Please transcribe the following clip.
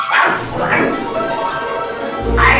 pak gus pak gus